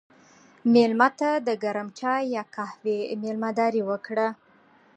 مېلمه ته د ګرم چای یا قهوې میلمهداري وکړه.